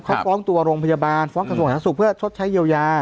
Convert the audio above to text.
เขาฟ้องตัวโรงพยาบาลฟ้องกระทรวงสาธารสุขเพื่อชดใช้เยียวยา